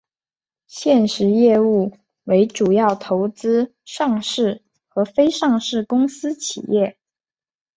现时业务为主要投资上市和非上市公司企业。